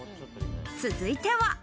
続いては。